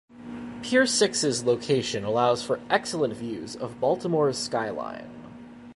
Pier Six's location allows for excellent views of Baltimore's skyline.